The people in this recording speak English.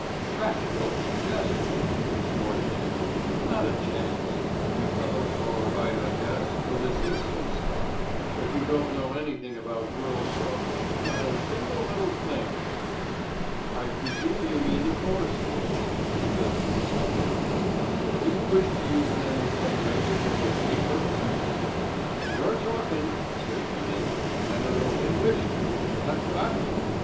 "Practical suggestion!" snorted Jimmy. "Not a chance. You fellows are all right, I guess, for this Ibsen stuff, but you don't know anything about girl shows, not a single, little thing." "I presume you mean the chorus girls," suggested Mr. Denby. "Do you wish to use them in some way for publicity purposes?" "You're talking," said Jimmy. "I not only wish to I've got to.